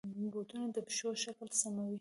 بوټونه د پښو شکل سموي.